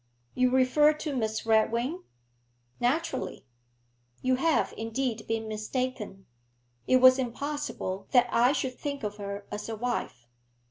'You refer to Miss Redwing?' 'Naturally.' 'You have, indeed, been mistaken. It was impossible that I should think of her as a wife.